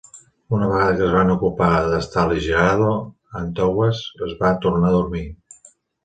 Una vegada que es van ocupar d'Astal i Jerado, Antowas es va tornar a dormir.